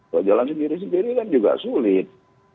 kalau jalan sendiri sendiri kan juga sulit